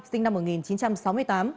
sinh năm một nghìn chín trăm sáu mươi tám